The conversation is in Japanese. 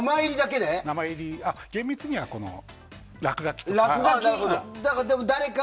厳密には、落書きとか。